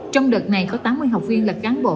trong đợt này có tám mươi học viên là cán bộ